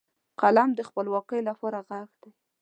قلم د خپلواکۍ لپاره غږ دی